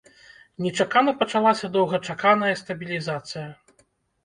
Нечакана пачалася доўгачаканая стабілізацыя.